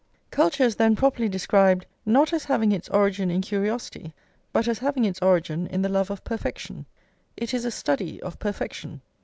Culture is then properly described not as having its origin in curiosity, but as having its origin in the love of perfection; it is a study of perfection.